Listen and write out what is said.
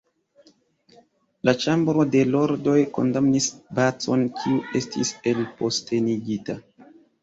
La Ĉambro de Lordoj kondamnis Bacon, kiu estis elpostenigita.